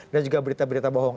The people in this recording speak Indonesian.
dan juga berita berita bohong